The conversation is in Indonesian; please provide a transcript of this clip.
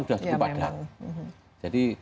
sudah cukup padat jadi